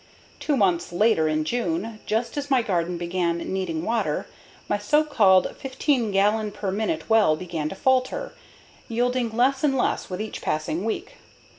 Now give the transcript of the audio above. Two months later, in June, just as my garden began needing water, my so called 15 gallon per minute well began to falter, yielding less and less with each passing week.